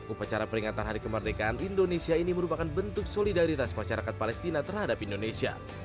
upacara peringatan hari kemerdekaan indonesia ini merupakan bentuk solidaritas masyarakat palestina terhadap indonesia